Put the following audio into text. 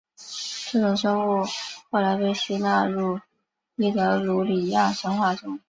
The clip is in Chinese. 这种生物后来被吸纳入伊特鲁里亚神话中。